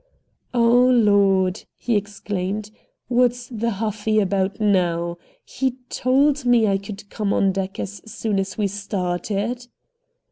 "Oh, Lord!" he exclaimed, "what's he huffy about now? He TOLD me I could come on deck as soon as we started."